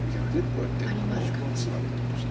こうやってこうツガれたとして。